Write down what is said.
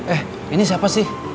eh ini siapa sih